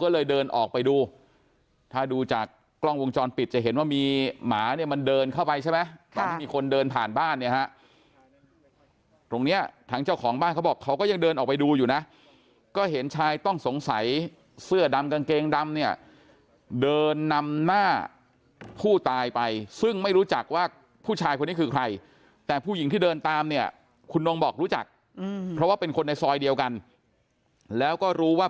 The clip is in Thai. ก็เลยเดินออกไปดูถ้าดูจากกล้องวงจรปิดจะเห็นว่ามีหมาเนี่ยมันเดินเข้าไปใช่ไหมตอนที่มีคนเดินผ่านบ้านเนี่ยฮะตรงเนี้ยทางเจ้าของบ้านเขาบอกเขาก็ยังเดินออกไปดูอยู่นะก็เห็นชายต้องสงสัยเสื้อดำกางเกงดำเนี่ยเดินนำหน้าผู้ตายไปซึ่งไม่รู้จักว่าผู้ชายคนนี้คือใครแต่ผู้หญิงที่เดินตามเนี่ยคุณนงบอกรู้จักเพราะว่าเป็นคนในซอยเดียวกันแล้วก็รู้ว่า